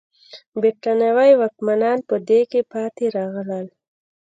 برېټانوي واکمنان په دې کې پاتې راغلل.